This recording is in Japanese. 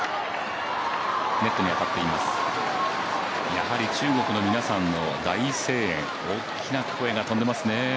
やはり中国の皆さんの大声援大きな声が飛んでますね。